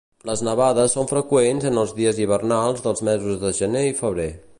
Les nevades són freqüents en els dies hivernals dels mesos de gener i febrer.